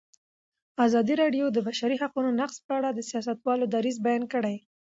ازادي راډیو د د بشري حقونو نقض په اړه د سیاستوالو دریځ بیان کړی.